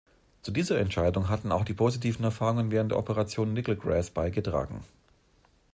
Zu dieser Entscheidung hatten auch die positiven Erfahrungen während der Operation Nickel Grass beigetragen.